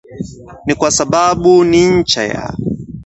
Ni kwa sababu ni ncha ya